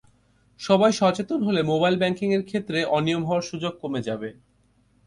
সবাই সচেতন হলে মোবাইল ব্যাংকিংয়ের ক্ষেত্রে অনিয়ম হওয়ার সুযোগ কমে যাবে।